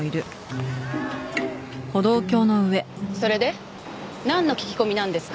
それでなんの聞き込みなんですか？